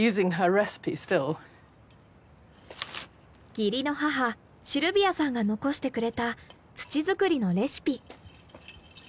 義理の母シルビアさんが残してくれた土作りのレシピ。